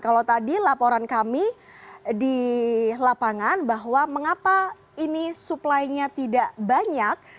kalau tadi laporan kami di lapangan bahwa mengapa ini suplainya tidak banyak